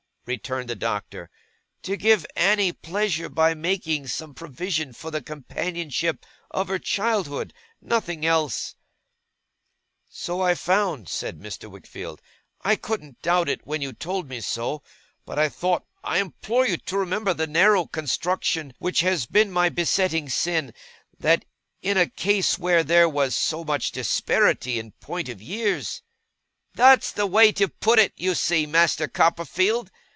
returned the Doctor. 'To give Annie pleasure, by making some provision for the companion of her childhood. Nothing else.' 'So I found,' said Mr. Wickfield. 'I couldn't doubt it, when you told me so. But I thought I implore you to remember the narrow construction which has been my besetting sin that, in a case where there was so much disparity in point of years ' 'That's the way to put it, you see, Master Copperfield!